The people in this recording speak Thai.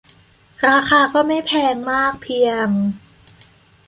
ราคาก็ไม่แพงมากเพียง